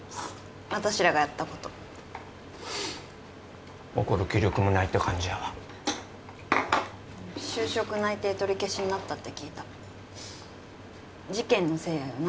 私らがやったこと怒る気力もないって感じやわ就職内定取り消しになったって聞いた事件のせいやよな